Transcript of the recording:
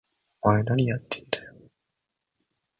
お前、なにやってんだよ！？